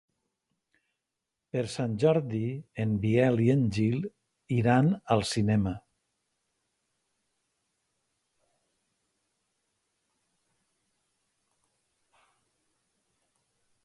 Per Sant Jordi en Biel i en Gil iran al cinema.